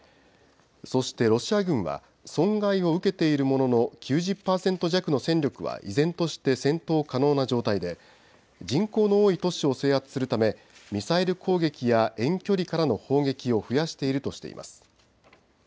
そしてロシア軍は損害を受けているものの９０％弱の戦力は依然として戦闘可能な状態で人口の多い都市を制圧するためミサイル攻撃や遠距離からの砲撃を増やしているとしています。